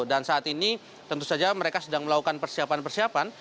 saat ini tentu saja mereka sedang melakukan persiapan persiapan